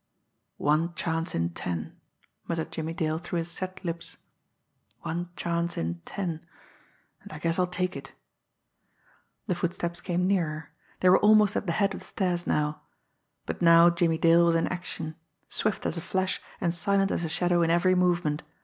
"One chance in ten," muttered Jimmie Dale through his set lips. "One chance in ten and I guess I'll take it!" The footsteps came nearer they were almost at the head of the stairs now. But now Jimmie Dale was in action swift as a flash and silent as a shadow in every movement.